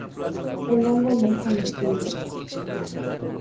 El hongo no es comestible.